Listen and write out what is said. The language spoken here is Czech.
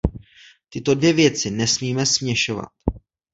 Tyto dvě věci nesmíme směšovat.